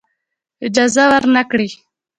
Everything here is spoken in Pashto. اجازه ورنه کړی.